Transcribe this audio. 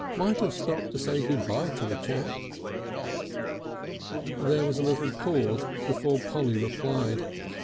"Might have stopped to say good by to a chap." There was a little pause before Polly replied.